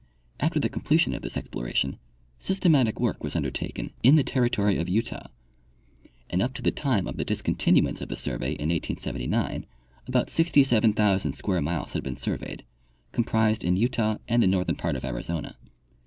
After the completion of this exploration, systematic Avork was undertaken in the territory of Utah, and up to the time of the discontinuance of the survey in 1879 about 67,000 square miles had been surveyed, comprised in Utah and the northern part of Arizona.